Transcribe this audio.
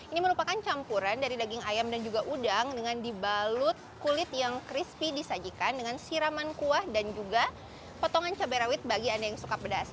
ini merupakan campuran dari daging ayam dan juga udang dengan dibalut kulit yang crispy disajikan dengan siraman kuah dan juga potongan cabai rawit bagi anda yang suka pedas